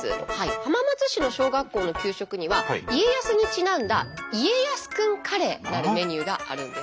浜松市の小学校の給食には家康にちなんだ家康くんカレーなるメニューがあるんです。